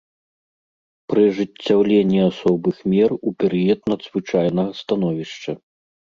Пры ажыццяўленні асобых мер у перыяд надзвычайнага становішча.